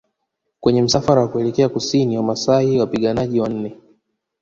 Kwenye msafara wa kuelekea Kusini Wamasai Wapiganaji wanne